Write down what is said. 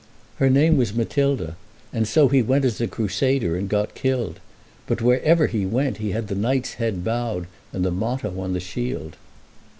Her name was Matilda, and so he went as a Crusader and got killed. But wherever he went he had the knight's head bowed, and the motto on the shield."